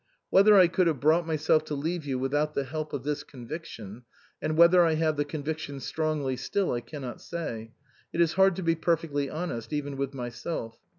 Whether I could have brought myself to leave you without the help of this conviction, and whether I have the conviction strongly still, I cannot say ; it is hard to be perfectly honest, even with myself.